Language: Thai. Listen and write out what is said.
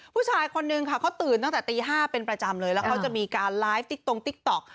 ผู้ชายคนนึงค่ะเขาตื่นตั้งแต่ตี๕เป็นประจำเลยแล้วเขาจะมีการไลฟ์ติ๊กตรงติ๊กต๊อก